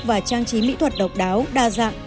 và trang trí mỹ thuật độc đáo đa dạng